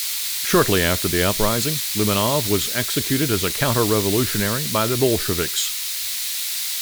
Shortly after the uprising, Lamanov was executed as a counter-revolutionary by the Bolsheviks.